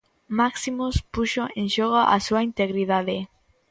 Máximus puxo en xogo a súa integridade.